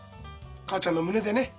母ちゃんの胸でね。